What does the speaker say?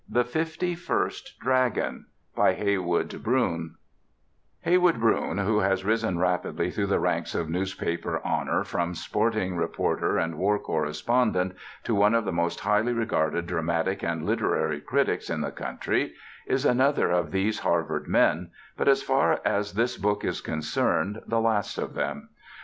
THE FIFTY FIRST DRAGON By HEYWOOD BROUN Heywood Broun, who has risen rapidly through the ranks of newspaper honor from sporting reporter and war correspondent to one of the most highly regarded dramatic and literary critics in the country, is another of these Harvard men, but, as far as this book is concerned, the last of them.